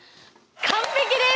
完璧です！